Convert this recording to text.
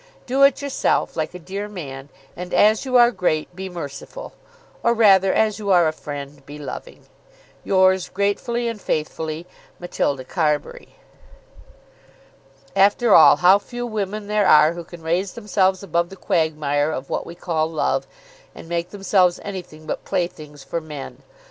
Do it yourself, like a dear man, and, as you are great, be merciful. Or rather, as you are a friend, be loving. Yours gratefully and faithfully, MATILDA CARBURY. After all how few women there are who can raise themselves above the quagmire of what we call love, and make themselves anything but playthings for men.